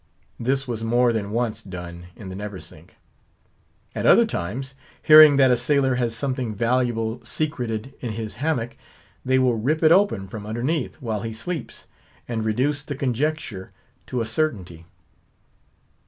This was more than once done in the Neversink. At other times, hearing that a sailor has something valuable secreted in his hammock, they will rip it open from underneath while he sleeps, and reduce the conjecture to a certainty.